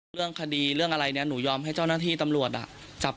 เรื่องคดีเรื่องอะไรเนี่ยหนูยอมให้เจ้าหน้าที่ตำรวจจับ